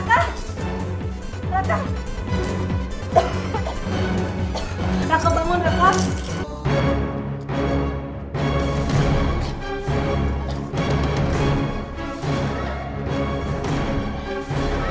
raka apa yang kemarin kamu lihat itu enggak seperti kenyataannya